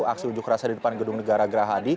aksi ujuk rasa di depan gedung negara gerhadi